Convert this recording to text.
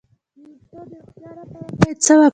د ویښتو د روغتیا لپاره باید څه وکړم؟